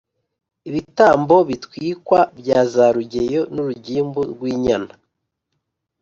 Ibitambo bitwikwa bya za rugeyo n’urugimbu rw’inyana,